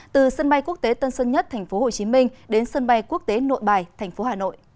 từ sân bay quốc tế tân sơn nhất tp hcm đến sân bay quốc tế nội bài tp hcm